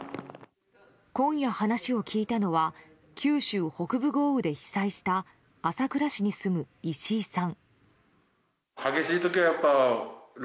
今夜、話を聞いたのは九州北部豪雨で被災した朝倉市に住む石井さん。